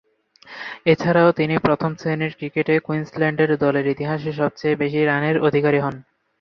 এছাড়াও তিনি প্রথম-শ্রেণীর ক্রিকেটে কুইন্সল্যান্ডের দলের ইতিহাসে সবচেয়ে বেশি রানের অধিকারী হন।